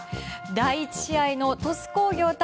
第１試合の鳥栖工業対